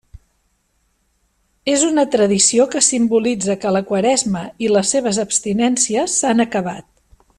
És una tradició que simbolitza que la Quaresma i les seves abstinències s'han acabat.